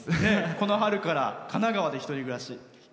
この春から神奈川で１人暮らし。